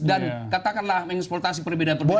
dan katakanlah menginsploitasi perbedaan perbedaan